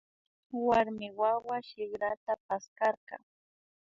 Warmi wawa shikrata paskarka